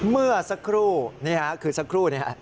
เมื่อสักครู่นี่ค่ะคือสักครู่เนี่ย